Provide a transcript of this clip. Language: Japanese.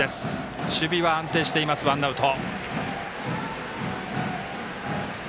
守備は安定していますワンアウト。